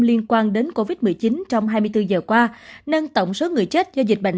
liên quan đến covid một mươi chín trong hai mươi bốn giờ qua nâng tổng số người chết do dịch bệnh